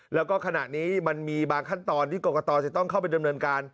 แล้วก็ขณะนี้มันมีบางขั้นตอนที่กรกตจะต้องเข้าไปดำเนินการ